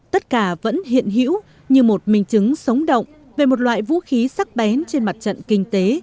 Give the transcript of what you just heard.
tất cả vẫn hiện hữu như một minh chứng sống động về một loại vũ khí sắc bén trên mặt trận kinh tế